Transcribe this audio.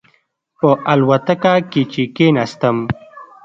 په الوتکه کې چې کېناستم.